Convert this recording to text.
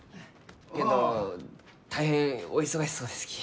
けんど大変お忙しそうですき。